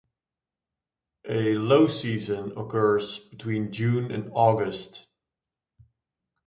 A low season occurs between June and August.